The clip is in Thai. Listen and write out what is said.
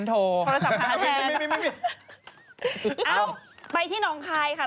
เอ้าไปที่หนองคายค่ะ